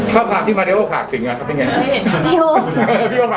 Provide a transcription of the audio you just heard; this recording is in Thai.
ชอบครับที่มาเรียกว่าภาคสินค่ะชอบยังไง